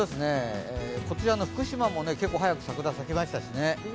こちらの福島も結構早く桜が咲きましたしね。